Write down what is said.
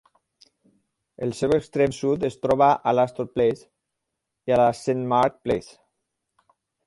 El seu extrem sud es troba a l'Astor Place i a la Saint Mark Place.